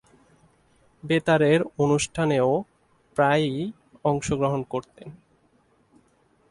বেতারের অনুষ্ঠানেও প্রায়ই অংশগ্রহণ করতেন।